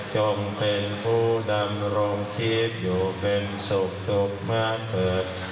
จงเป็นผู้ดำรองชีพอยู่เป็นศุกร์ตกม้าเผิด